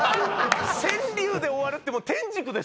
川柳で終わるってもう天竺ですよ。